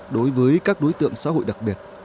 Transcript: đối với các đối tượng xã hội đặc biệt